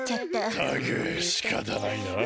ったくしかたないなあ。